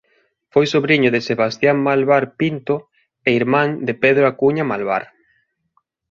Foi sobriño de Sebastián Malvar Pinto e irmán de Pedro Acuña Malvar.